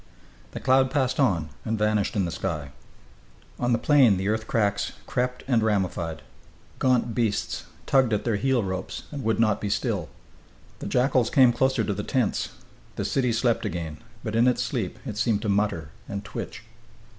The cloud passed on and vanished in the sky. On the plain the earth cracks crept and ramified. Gaunt beasts tugged at their heel ropes and would not be still. The jackals came closer to the tents. The city slept again, but in its sleep it seemed to mutter and twitch....